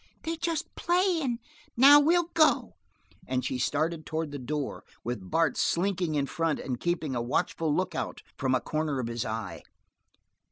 "They're just playin'. Now we'll go." And she started toward the door, with Bart slinking in front and keeping a watchful lookout from a corner of his eye.